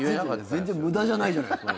全然無駄じゃないじゃない。